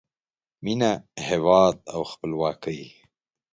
مینه، هیواد او خپلواکۍ